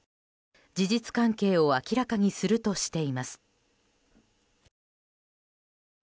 事実関係を明らかにするとしています。